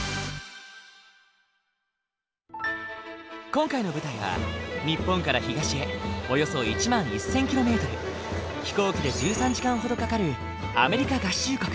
今回の舞台は日本から東へおよそ１万１，０００ｋｍ飛行機で１３時間ほどかかるアメリカ合衆国。